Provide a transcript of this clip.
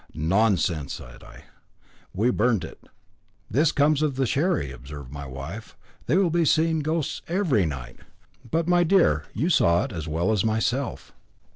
"Nonsense," said I, "we burnt it." "This comes of the sherry," observed my wife. "They will be seeing ghosts every night." "But, my dear, you saw it as well as myself!"